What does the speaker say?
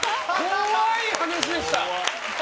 怖い話でした。